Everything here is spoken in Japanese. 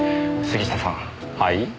はい。